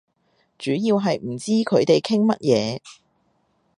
主要係唔知佢哋傾乜嘢